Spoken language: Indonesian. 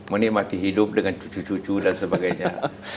menikmati hidup dengan cucu cucu dan sebagainya